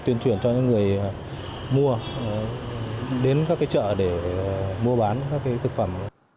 tuyên truyền cho những người mua đến các cái chợ để mua bán các cái thực phẩm